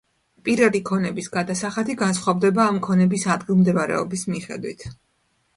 პირადი ქონების გადასახადი განსხვავდება ამ ქონების ადგილმდებარეობის მიხედვით.